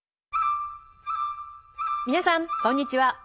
皆さんこんにちは。